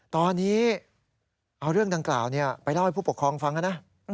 ตอนนี้เอาเรื่องดังกล่าวไปเล่าให้ผู้ปกครองฟังนะ